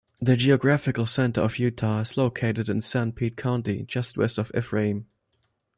The geographical center of Utah is located in Sanpete County, just west of Ephraim.